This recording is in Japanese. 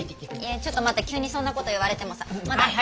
えちょっと待って急にそんなこと言われてもさまだあの。